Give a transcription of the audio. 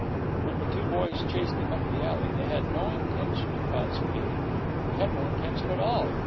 When the two boys chased him up the alley, they had no intention to cause pain; they had no intention at all.